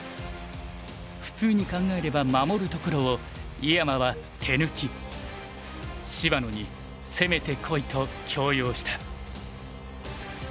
普通に考えれば守るところを井山は手抜き芝野に攻めてこいと強要した。